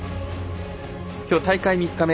きょう大会３日目